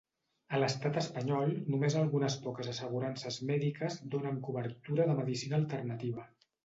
A l'Estat espanyol, només algunes poques assegurances mèdiques donen cobertura de medicina alternativa.